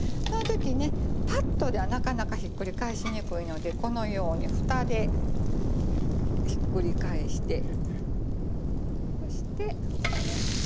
その時ねパッとではなかなかひっくり返しにくいのでこのように蓋でひっくり返してそして。